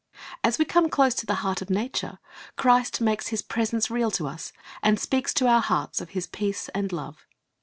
As we come close to the heart of nature, Christ makes His presence real to us, and speaks to our hearts of His peace and love.